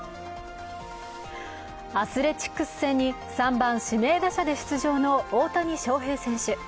アスレチックス戦に３番・指名打者で出場の大谷翔平選手。